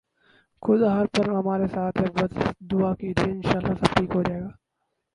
خدا ہر پل ہمارے ساتھ ہے بس دعا کیجئے، انشاءاللہ سب ٹھیک ہوجائےگا